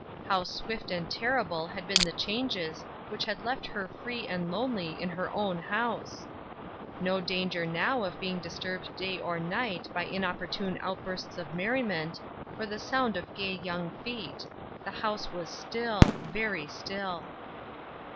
How swift and terrible had been the changes which had left her free and lonely in her own house ! No danger now of being disturbed day 2QO NEXT MOST. or night by inopportune outbursts of merriment, or the sound of gay young feet ; the house was still — very still.